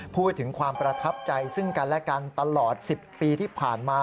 พูดถึงความประทับใจซึ่งกันและกันตลอด๑๐ปีที่ผ่านมา